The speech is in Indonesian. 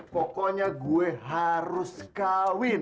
pokoknya gue harus kawin